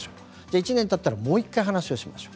１年たったらもう１回話しましょう。